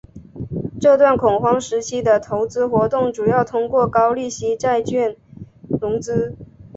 这段恐慌时期的投资活动主要通过高利息债券融资。